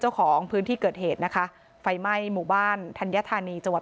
เจ้าของพื้นที่เกิดเหตุนะคะไฟไหม้หมู่บ้านธัญธานีจังหวัด